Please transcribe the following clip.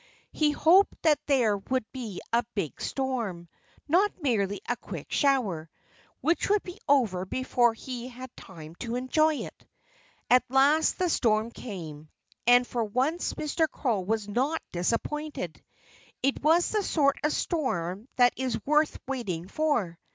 He hoped that there would be a big storm not merely a quick shower, which would be over before he had had time to enjoy it. At last the storm came. And for once Mr. Crow was not disappointed. It was the sort of storm that is worth waiting for.